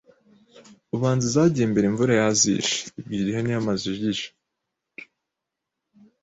ubanza izagiye mbere imvura yazishe Ibwira ihene zamajigija